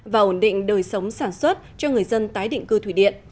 và ổn định đời sống sản xuất cho người dân tái định cư thủy điện